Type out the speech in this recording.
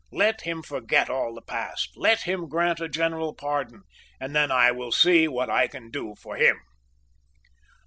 Let him forget all the past; let him grant a general pardon; and then I will see what I can do for him."